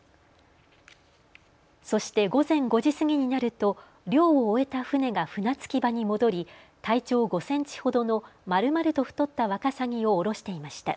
そして午前５時過ぎになると漁を終えた船が船着き場に戻り体長５センチほどのまるまると太ったワカサギを降ろしていました。